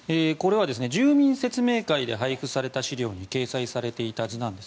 住民説明会で配布された資料に掲載されていた図なんです。